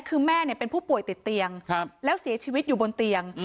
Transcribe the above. คือแม่เป็นผู้ป่วยติดเตียงแล้วเสียชีวิตอยู่บนเตียง